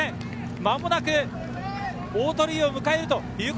間もなく大鳥居を迎えます。